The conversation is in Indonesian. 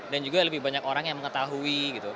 dan juga lebih banyak orang yang mengetahui gitu